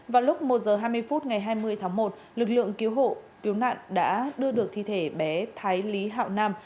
vào lúc một h hai mươi phút ngày hai mươi tháng một lực lượng cứu hộ cứu nạn đã đưa được thi thể bé thái lý hạo nam